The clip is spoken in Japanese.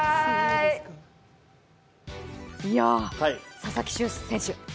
佐々木秋羽選手。